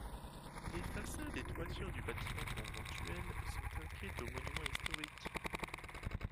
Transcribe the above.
Les façades et toitures du bâtiment conventuel sont inscrites aux Monuments historiques.